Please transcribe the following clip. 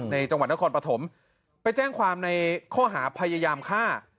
จังหวัดนครปฐมไปแจ้งความในข้อหาพยายามฆ่า